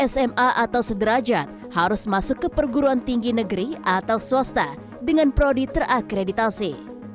sma atau sederajat harus masuk ke perguruan tinggi negeri atau swasta dengan prodi terakreditasi